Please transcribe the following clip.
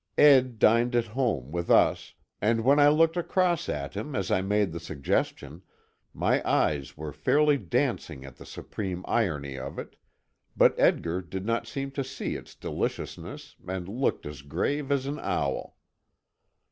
Ed dined at home, with us, and when I looked across at him as I made the suggestion, my eyes were fairly dancing at the supreme irony of it, but Edgar did not seem to see its deliciousness, and looked as grave as an owl.